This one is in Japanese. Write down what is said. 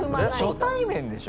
初対面でしょ？